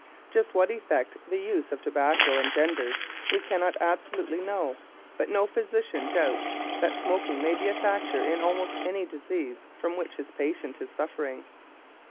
Just what effect the use of tobacco engenders we cannot absolutely know, but no physician doubts that smoking may be a factor in almost any disease from which his patient is suffering.